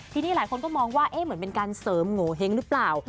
ทีนี้หลายคนก็มองว่าเหมือนเป็นการเสริมโงเห้งหรือเปล่า